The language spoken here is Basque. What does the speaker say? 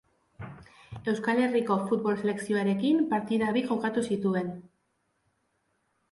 Euskal Herriko futbol selekzioarekin partida bi jokatu zituen.